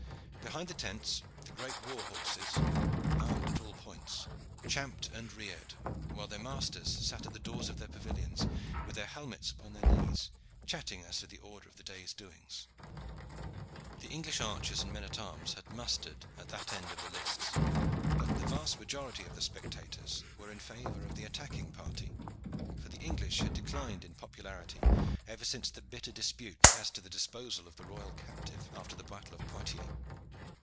Behind the tents the great war horses, armed at all points, champed and reared, while their masters sat at the doors of their pavilions, with their helmets upon their knees, chatting as to the order of the day's doings. The English archers and men at arms had mustered at that end of the lists, but the vast majority of the spectators were in favor of the attacking party, for the English had declined in popularity ever since the bitter dispute as to the disposal of the royal captive after the battle of Poictiers.